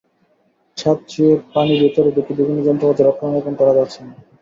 ছাদ চুয়ে পানি ভেতরে ঢুকে বিভিন্ন যন্ত্রপাতি রক্ষণাবেক্ষণ করা যাচ্ছে না।